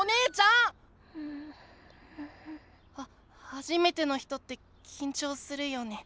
はじめての人ってきんちょうするよね。